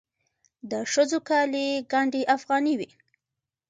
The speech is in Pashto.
د ښځو کالي ګنډ افغاني وي.